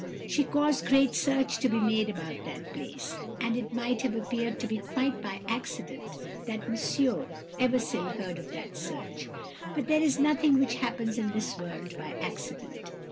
She caused great search to be made about that place; and it might have appeared to be quite by accident that Monsieur Eversil heard of that search; but there is nothing which happens in this world by accident.